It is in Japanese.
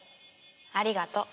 ありがとう。